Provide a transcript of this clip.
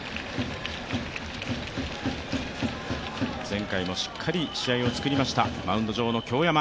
前回もしっかり試合を作りました、マウンド上の京山。